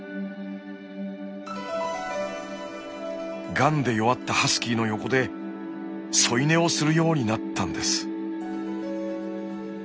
がんで弱ったハスキーの横で添い寝をするようになったんです。